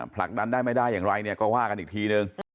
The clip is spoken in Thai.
ผลักดันได้ไม่ได้อย่างไรเนี่ยก็ว่ากันอีกทีนึง